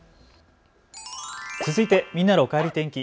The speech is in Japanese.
続いてみんなのおかえり天気。